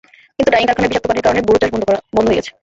কিন্তু ডাইং কারখানার বিষাক্ত পানির কারণে বোরো চাষ বন্ধ হয়ে গেছে।